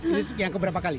ini yang keberapa kali